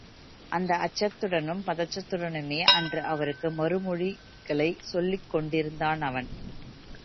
அந்த அச்சத்துடனும் பதற்றத்துடனுமே அன்று அவருக்கு மறுமொழிகளைச் சொல்லிக் கொண்டிருந்தான் அவன்.